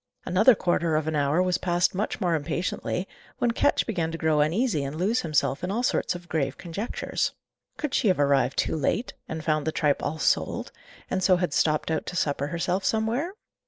Another quarter of an hour was passed much more impatiently, when Ketch began to grow uneasy and lose himself in all sorts of grave conjectures. Could she have arrived too late, and found the tripe all sold, and so had stopped out to supper herself somewhere?